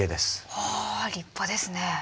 はあ立派ですね。